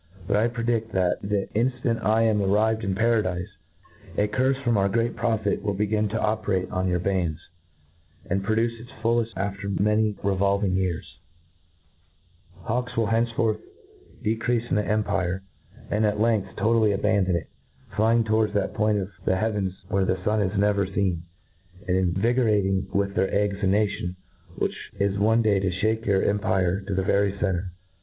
But I predid, that, the iiAant I am arrived in paradife, a cuife from our great Pro phet will begin to operate on your bands, and produce its foil effisd after many fCTofanng years* Hawks will henceforth decreafe in the empire ^ and at length totally abandon it, fiying towards that point of the heavens where the fan is never feen, and invigorating with their eggs a nation, which is one day to ihake our empire to the very centre.